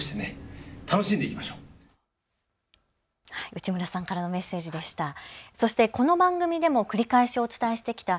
内村さんからのメッセージでした。